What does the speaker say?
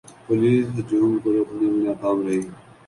police ہجوم کو روکنے میں ناکام رہی